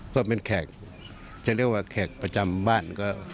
ก็เป็นแขกจะเรียกว่าแขกประจำบ้าน